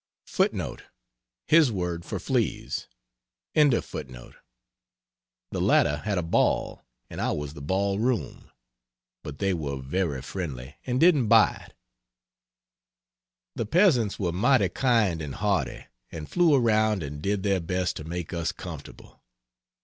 [His word for fleas.] The latter had a ball, and I was the ball room; but they were very friendly and didn't bite. The peasants were mighty kind and hearty, and flew around and did their best to make us comfortable.